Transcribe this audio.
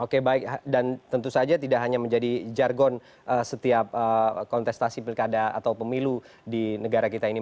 oke baik dan tentu saja tidak hanya menjadi jargon setiap kontestasi pilkada atau pemilu di negara kita ini